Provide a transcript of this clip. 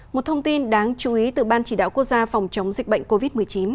một thông tin đáng chú ý từ ban chỉ đạo quốc gia phòng chống dịch bệnh covid một mươi chín